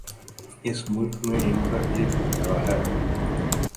اس ملک میں ان کا ایک حلقہ ہے۔